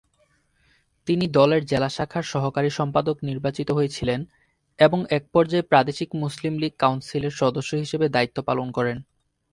তিনি দলের জেলা শাখার সহকারী সম্পাদক নির্বাচিত হয়েছিলেন এবং একপর্যায়ে প্রাদেশিক মুসলিম লীগ কাউন্সিলের সদস্য হিসাবে দায়িত্ব পালন করেন।